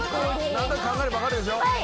何となく考えれば分かるでしょ。